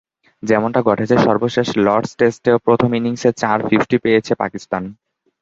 যেমনটা ঘটেছে সর্বশেষ লর্ডস টেস্টেও প্রথম ইনিংসে চার ফিফটি পেয়েছে পাকিস্তান।